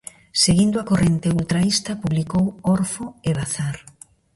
Seguindo a corrente ultraísta publicou Orto e Bazar.